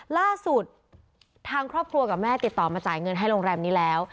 ล่าสุดทางครอบครัวกับแม่ติดต่อมาจ่ายเงินให้โรงแรมนี้แล้ว